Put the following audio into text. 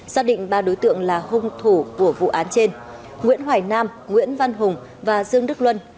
xác định ba đối tượng là hung thủ của vụ án trên nguyễn hoài nam nguyễn văn hùng và dương đức luân